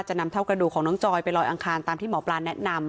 นำเท่ากระดูกของน้องจอยไปลอยอังคารตามที่หมอปลาแนะนำ